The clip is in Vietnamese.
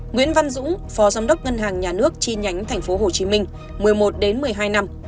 nguyễn văn dũng phó giám đốc ngân hàng nhà nước chi nhánh tp hcm một mươi một đến một mươi hai năm